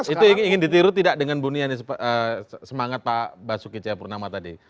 itu ingin ditiru tidak dengan buniani semangat pak basuki cahayapurnama tadi